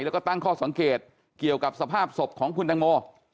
แล้วก็ตั้งข้อสังเกตเกี่ยวกับสภาพศพของคุณตังโม